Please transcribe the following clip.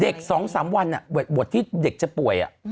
เด็ก๒๓วันอ่ะบทที่เด็กจะป่วยอ่ะ